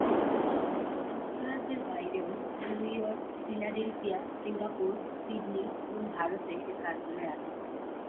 যুক্তরাজ্যের বাইরেও New York, Philadelphia, Singapore, Sydney এবং ভারতে এর কার্যালয় আছে।